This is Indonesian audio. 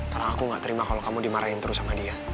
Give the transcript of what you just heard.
karena aku gak terima kalau kamu dimarahin terus sama dia